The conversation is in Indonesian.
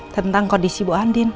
tentang kondisi ibu andin